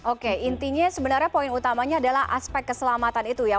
oke intinya sebenarnya poin utamanya adalah aspek keselamatan itu ya